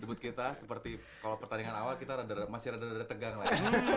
debut kita seperti kalau pertandingan awal kita masih agak agak tegang lah ya